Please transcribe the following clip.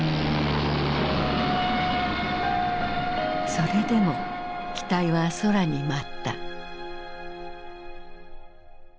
それでも機体は空に舞った。